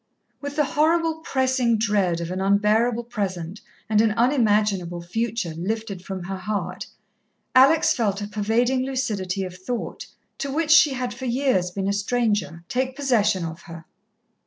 With the horrible, pressing dread of an unbearable present and an unimaginable future lifted from her heart, Alex felt a pervading lucidity of thought, to which she had for years been a stranger, take possession of her.